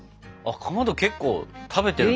かまど結構食べてるんだ？